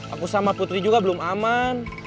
aku sama putri juga belum aman